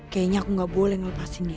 kayaknya aku gak boleh ngelepasinnya